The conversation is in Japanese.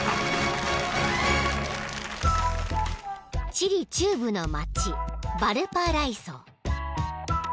［チリ中部の町バルパライソ］